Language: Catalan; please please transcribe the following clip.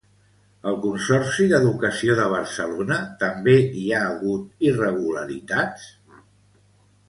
Al Consorci d'Educació de Barcelona també hi ha hagut irregularitats?